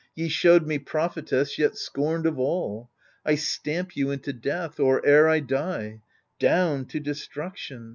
Ye showed me prophetess yet scorned of all — I stamp you into death, or e'er I die — Down, to destruction